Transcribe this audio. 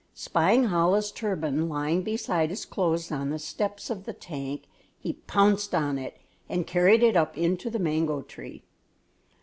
Spying Chola's turban lying beside his clothes on the steps of the tank, he pounced upon it and carried it up into the mango tree.